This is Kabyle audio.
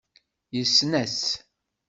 Yessen-as.